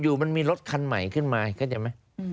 อยู่มันมีรถคันใหม่ขึ้นมาเห็นไหม